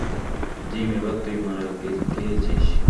Gym, এবার তুই মারা খেয়েছিস।